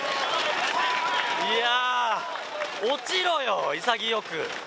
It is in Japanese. いや、落ちろよ、潔く！